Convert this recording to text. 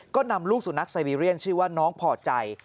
ก็นำลูกสุนัขไซเวเรียนชื่อว่าน้องพอใจ